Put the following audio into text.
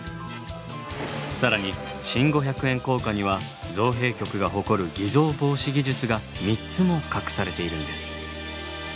更に新五百円硬貨には造幣局が誇る偽造防止技術が３つも隠されているんです。